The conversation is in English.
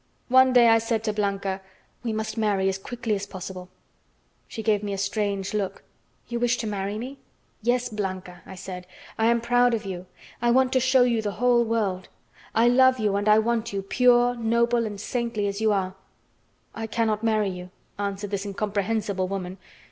One day I said to Blanca: "We must marry, as quickly as possible." She gave me a strange look. "You wish to marry me?" "Yes, Blanca," I said, "I am proud of you. I want to show you to the whole world. I love you and I want you, pure, noble, and saintly as you are." "I cannot marry you," answered this incomprehensible woman.